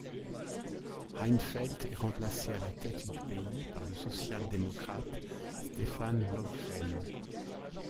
Reinfeldt est remplacé à la tête du pays par le social-démocrate Stefan Löfven.